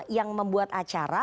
yang membuat acara